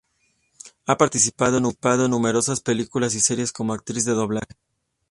Ha participado en numerosas películas y series como actriz de Doblaje.